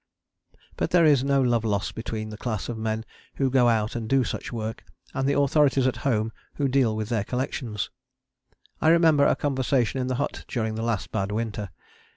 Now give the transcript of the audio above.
But there is no love lost between the class of men who go out and do such work and the authorities at home who deal with their collections. I remember a conversation in the hut during the last bad winter.